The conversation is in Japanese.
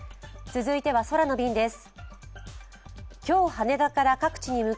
続いては空の便です。